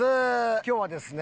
今日はですね